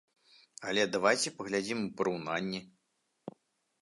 Але давайце паглядзім у параўнанні.